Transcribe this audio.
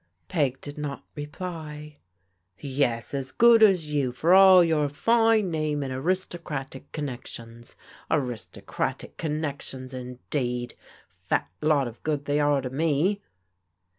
Peg did not reply. " Yes, as good as you for all your fine name and aris tocratic connections. Aristocratic connections, indeed I Fat lot of good they are to me."